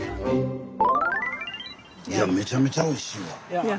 いやめちゃめちゃおいしいわ。